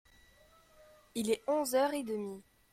Il est onze heures et demi.